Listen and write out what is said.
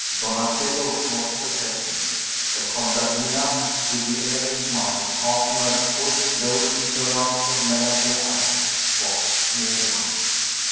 Donatello was the peasant; the contadina, with the airy smile, half mirthful, though it shone out of melancholy eyes, was Miriam.